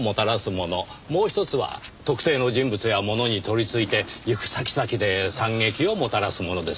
もう一つは特定の人物や物に取り憑いて行く先々で惨劇をもたらすものです。